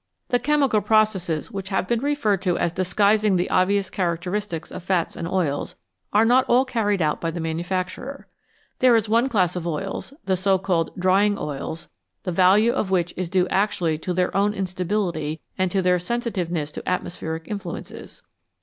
The chemical processes which have been referred to as disguising the obvious characteristics of fats and oils are not all carried out by the manufacturer. There is one class of oils, the so called " drying " oils, the value of which is due actually to their own instability and to their sensitiveness to atmospheric influences.